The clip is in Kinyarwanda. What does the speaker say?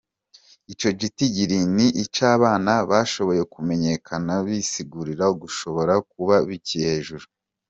Ico gitigiri ni ic'abana bashoboye kumenyekana, bisigura ko gishobora kuba kiri hejuru.